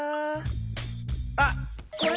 あっこれ